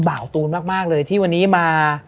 ตูนมากเลยที่วันนี้มา